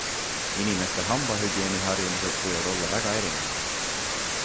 Inimeste hambahügieeniharjumused võivad olla väga erinevad.